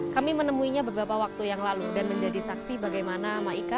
kami menemuinya beberapa waktu yang lalu dan menjadi saksi bagaimana maika